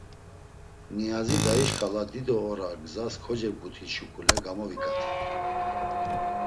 Niyazi dayi şǩala dido ora gzas kocebgut̆it şuǩule gamoviǩatit.